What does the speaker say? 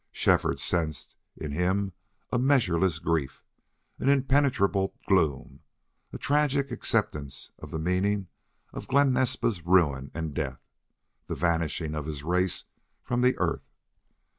Shefford sensed in him a measureless grief, an impenetrable gloom, a tragic acceptance of the meaning of Glen Naspa's ruin and death the vanishing of his race from the earth.